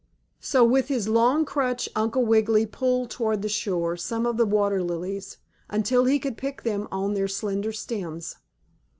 So with his long crutch Uncle Wiggily pulled toward shore some of the water lilies, until he could pick them on their slender stems.